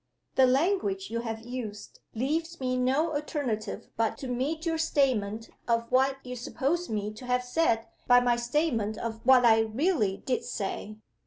The language you have used leaves me no alternative but to meet your statement of what you suppose me to have said by my statement of what I really did say.